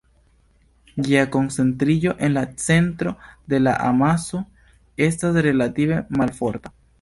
Ĝia koncentriĝo en la centro de la amaso estas relative malforta.